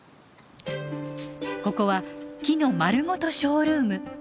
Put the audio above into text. ここは木のまるごとショールーム。